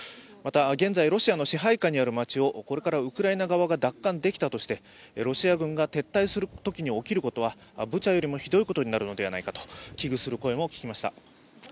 また、現在ロシアの支配下にある街をこれからウクライナ側が奪還できたとしてロシア軍が撤退するときに起きることはブチャよりもひどいことになるのではないかと危惧する声も聞きました。